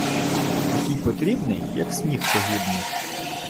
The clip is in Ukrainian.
Такий потрібний, як сніг тогідний.